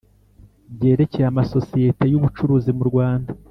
ryerekeye amasosiyete y ubucuruzi mu Rwanda